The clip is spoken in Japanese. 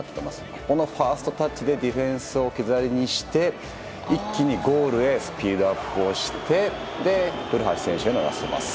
ここのファーストタッチでディフェンスを置き去りにして、一気にゴールへスピードアップをして、で、古橋選手にラストパス。